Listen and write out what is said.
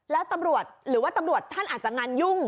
แล้วตำรวจหรือว่าตำรวจท่านอาจจะงานยุ่ง